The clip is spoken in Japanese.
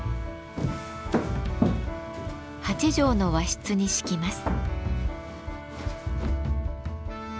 ８畳の和室に敷きます。